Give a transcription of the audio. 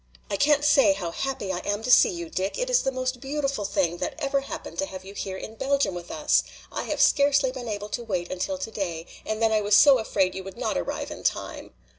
"I can't say how happy I am to see you, Dick. It is the most beautiful thing that ever happened to have you here in Belgium with us! I have scarcely been able to wait until today, and then I was so afraid you would not arrive in time."